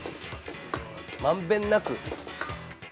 まんべんなく。